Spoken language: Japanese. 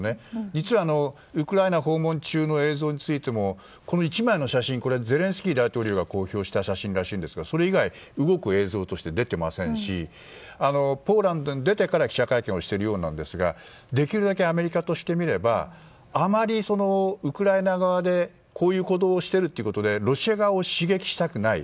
実は、ウクライナ訪問中の映像についてもこの１枚の写真ゼレンスキー大統領が公表した写真らしいですがそれ以外、動く映像として出ていませんしポーランドに出てから記者会見をしているようですができるだけアメリカとしてみればあまりウクライナ側でこういうことをしているということでロシア側を刺激したくない。